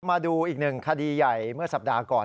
มาดูอีกหนึ่งคดีใหญ่เมื่อสัปดาห์ก่อน